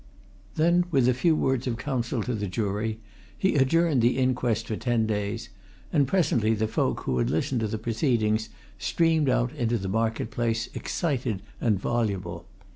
Then with a few words of counsel to the jury, he adjourned the inquest for ten days, and presently the folk who had listened to the proceedings streamed out into the market place, excited and voluble.